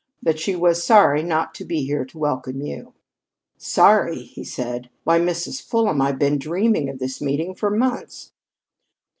But she was sorry not to be here to welcome you.' 'Sorry!' he said; 'why, Mrs. Fulham, I've been dreaming of this meeting for months.'